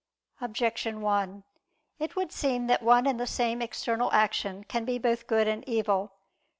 Objection 1: It would seem that one and the same external action can be both good and evil.